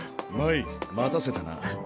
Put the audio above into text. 真依待たせたな。